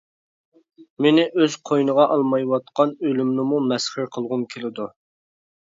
مېنى ئۆز قوينىغا ئالمايۋاتقان ئۆلۈمنىمۇ مەسخىرە قىلغۇم كېلىدۇ!